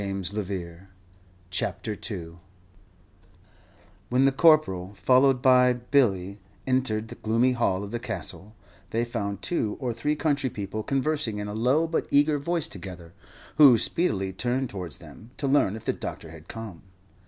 GLENCORE CASTLE When the Corporal, followed by Billy, entered the gloomy hall of the Castle, they found two or three country people conversing in a low but eager voice together, who speedily turned towards them, to learn if the doctor had come.